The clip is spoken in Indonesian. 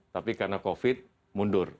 tapi karena covid mundur